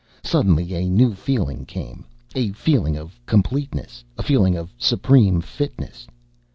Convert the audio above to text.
Suddenly a new feeling came, a feeling of completeness, a feeling of supreme fitness.